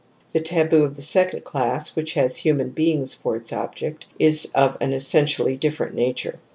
The taboo of the second class, which has human beings for its object, is of an essentially different nature.